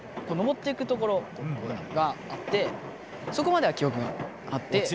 こうのぼっていくところがあってそこまでは記おくがあって。